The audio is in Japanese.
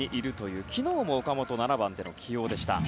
昨日も岡本は７番での起用でした。